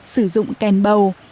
sử dụng kèn bầu